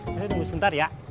kita tunggu sebentar ya